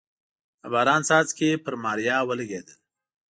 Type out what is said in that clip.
د باران څاڅکي پر ماريا ولګېدل.